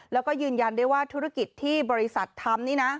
แล้วก็ยืนยันได้ว่าธุรกิจที่บริษัททำนี่นะ